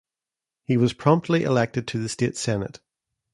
He was promptly elected to the State Senate.